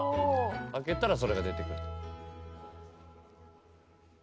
開けたらそれが出てくる。